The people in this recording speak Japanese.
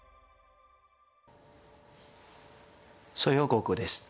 蘇耀国です。